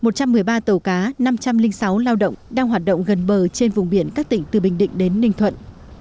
một trăm một mươi ba tàu cá năm trăm linh sáu lao động đang hoạt động gần bờ trên vùng biển các tỉnh từ bình định đến ninh thuận